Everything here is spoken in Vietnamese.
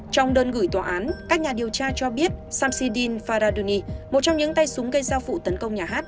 trong đơn gửi tòa án các nhà điều tra cho biết samsidin fariduni một trong những tay súng gây giao phụ tấn công nhà hát